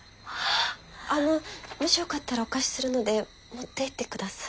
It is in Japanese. あのもしよかったらお貸しするので持っていって下さい。